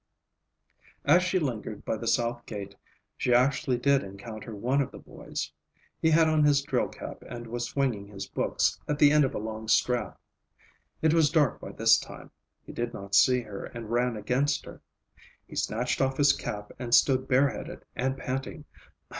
As she lingered by the south gate she actually did encounter one of the boys. He had on his drill cap and was swinging his books at the end of a long strap. It was dark by this time; he did not see her and ran against her. He snatched off his cap and stood bareheaded and panting.